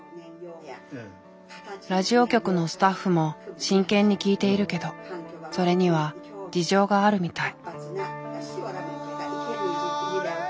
ラジオ局のスタッフも真剣に聴いているけどそれには事情があるみたい。